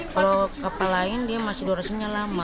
kalau kapal lain dia masih durasinya lama